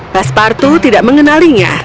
pastor patu tidak mengenalinya